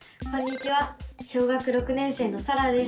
小学６年生のさらです。